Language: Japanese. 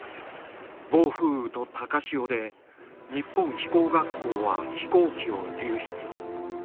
暴風雨と高潮で日本飛行学校は飛行機を流失。